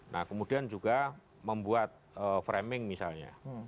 nah kemudian juga membuat framing misalnya